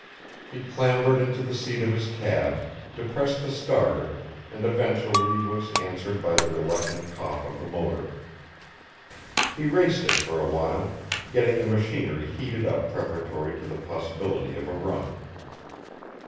He clambered into the seat of his cab, depressed the starter, and eventually was answered by the reluctant cough of the motor. He raced it for a while, getting the machinery heated up preparatory to the possibility of a run.